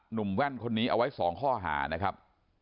แว่นคนนี้เอาไว้๒ข้อหานะครับ